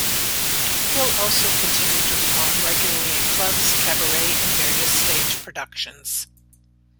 Hill also continued to perform regularly in clubs, cabaret and various stage productions.